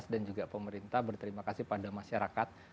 dan juga pemerintah berterima kasih pada masyarakat